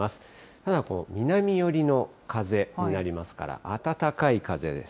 ただ、南寄りの風になりますから、暖かい風です。